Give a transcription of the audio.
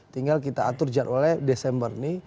tinggal kita atur jadwalnya desember ini